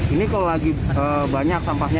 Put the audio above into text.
ini kalau lagi banyak sampahnya